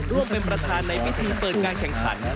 ร่วมเป็นประธานในพิธีเปิดการแข่งขัน